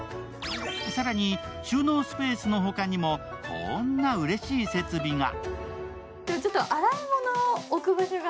更に収納スペースのほかにもこんなうれしい設備が。